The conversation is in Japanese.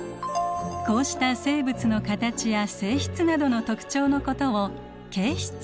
こうした生物の形や性質などの特徴のことを形質といいます。